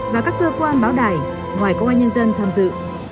và các cơ quan báo đài ngoài công an nhân dân tham dự